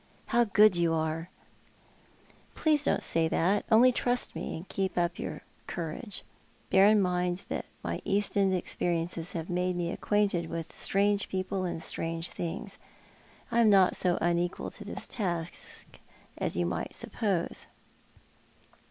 " How good you are !" "Please, don't say that! Only trust me, and keep iip your courage. Bear in mind that my East End experiences have made me acquainted with strange people and strange things. I am not so unequal to this task as you might suppose."